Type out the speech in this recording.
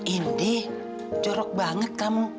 indi jorok banget kamu